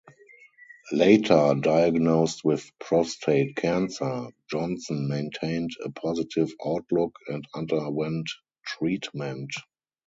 Later diagnosed with prostate cancer, Johnson maintained a positive outlook and underwent treatment.